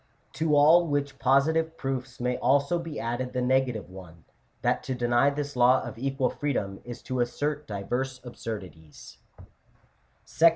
To all which positive proofs may also be added the negative one, that to deny this law of equal freedom is to assert divers absurdities (Chap.